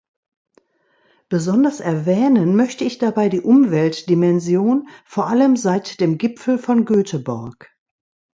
Besonders erwähnen möchte ich dabei die Umweltdimension, vor allem seit dem Gipfel von Göteborg.